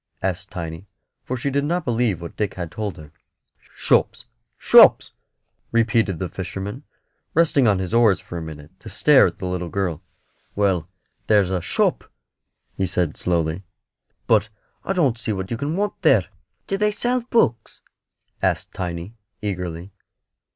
asked Tiny; for she did not believe what Dick had told her. "Shops, shops!" repeated the fisherman, resting on his oars for a minute to stare at the little girl. "Well, there's a shop," he said, slowly; "but I don't see what you can want there." "Do they sell books?" asked Tiny, eagerly.